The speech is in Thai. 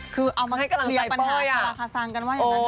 คือเอามาให้กำลังใส่ป้อยอะ